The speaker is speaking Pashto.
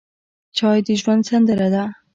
چای د ژوند سندره ده.